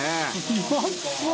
「うまそう！」